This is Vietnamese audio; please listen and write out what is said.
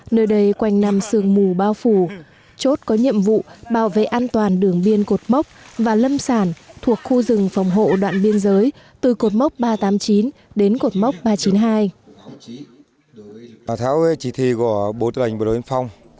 nơi đây quanh năm sương mù bao phủ chốt có nhiệm vụ bảo vệ an toàn đường biên cột mốc và lâm sản thuộc khu rừng phòng hộ đoạn biên giới từ cột mốc ba trăm tám mươi chín đến cột mốc ba trăm chín mươi hai